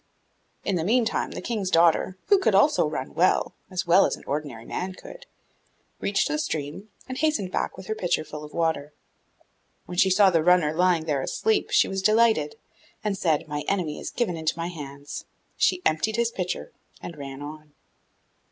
In the meantime the King's daughter, who could also run well, as well as an ordinary man could, reached the stream, and hastened back with her pitcher full of water. When she saw the runner lying there asleep, she was delighted, and said, 'My enemy is given into my hands!' She emptied his pitcher and ran on.